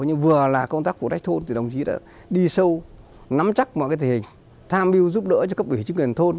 nhưng vừa là công tác của trách thôn thì đồng chí đã đi sâu nắm chắc mọi cái thể hình tham mưu giúp đỡ cho cấp ủy chính quyền thôn